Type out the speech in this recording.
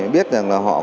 biết rằng là họ